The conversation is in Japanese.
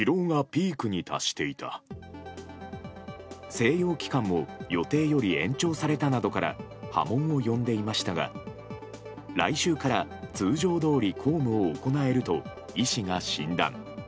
静養期間も予定より延長されたなどから波紋を呼んでいましたが来週から通常どおり公務を行えると医師が診断。